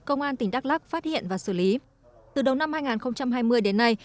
công an tỉnh đắk lắc phát hiện và xử lý từ đầu năm hai nghìn hai mươi đến nay